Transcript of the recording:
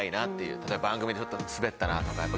例えば番組でちょっとスベったなとか。